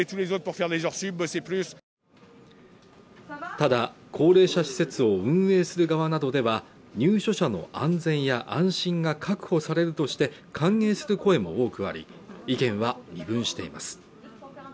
ただ高齢者施設を運営する側などでは入所者の安全や安心が確保されるとして歓迎する声も多くあり意見は二分しています